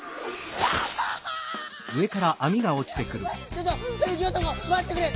ちょっとゆきおとこまってくれ。